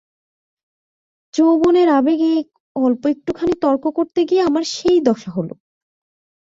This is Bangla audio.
যৌবনের আবেগে অল্প একটুখানি তর্ক করতে গিয়ে আমার সেই দশা হল।